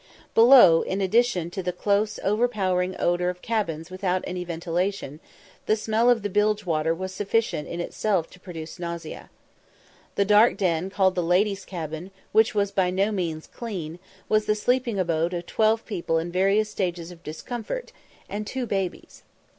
Below, in addition to the close overpowering odour of cabins without any ventilation, the smell of the bilge water was sufficient in itself to produce nausea. The dark den called the ladies' cabin, which was by no means clean, was the sleeping abode of twelve people in various stages of discomfort, and two babies.